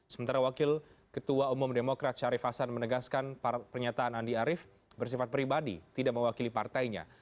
sementara wakil ketua umum demokrat syarif hasan menegaskan pernyataan andi arief bersifat pribadi tidak mewakili partainya